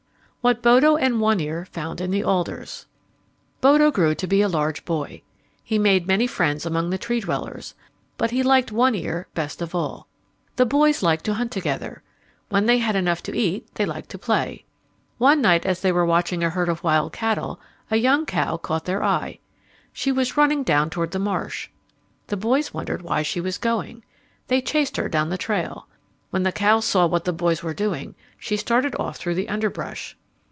What Bodo and One Ear Found in the Alders Bodo grew to be a large boy. He made many friends among the Tree dwellers, but he liked One Ear best of all. The boys liked to hunt together. When they had enough to eat they liked to play. One night as they were watching a herd of wild cattle, a young cow caught their eye. She was running down toward the marsh. The boys wondered why she was going. They chased her down the trail. When the cow saw what the boys were doing she started off through the underbrush.